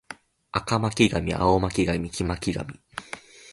赤巻紙